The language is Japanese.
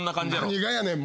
何がやねん！